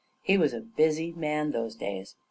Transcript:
He was a busy man, those days.